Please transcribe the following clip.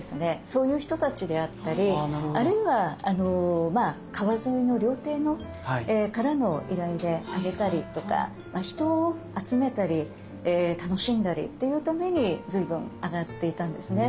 そういう人たちであったりあるいは川沿いの料亭からの依頼で上げたりとか人を集めたり楽しんだりっていうために随分上がっていたんですね。